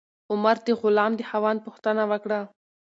عمر د غلام د خاوند پوښتنه وکړه.